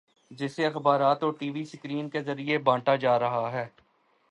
جسے اخبارات اور ٹی وی سکرین کے ذریعے بانٹا جا رہا ہے۔